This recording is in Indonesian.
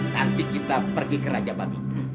nanti kita pergi ke raja babi